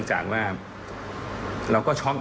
แม่จะมาเรียกร้องอะไร